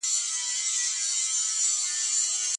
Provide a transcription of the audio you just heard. شکایت چا ته وسو؟